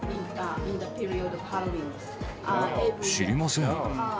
知りません。